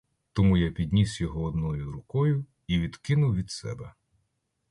Тому я підніс його одною рукою і відкинув від себе.